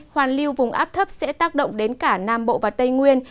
hoàn lưu vùng áp thấp sẽ tác động đến cả nam bộ và tây nguyên